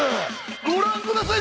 ご覧ください